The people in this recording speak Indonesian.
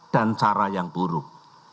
dan cara yang buruk